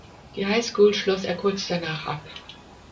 Die High School schloss er kurz danach ab.